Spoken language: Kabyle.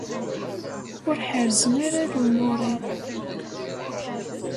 Ur ḥerrzen ara lumuṛ-iw.